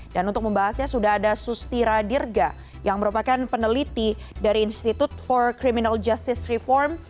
dan untuk membahasnya sudah ada sustira dirga yang merupakan peneliti dari institute for criminal justice reform